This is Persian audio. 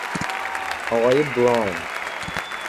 آقای براون